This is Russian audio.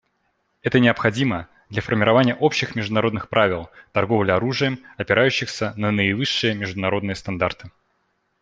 Это необходимо для формирования общих международных правил торговли оружием, опирающихся на наивысшие международные стандарты.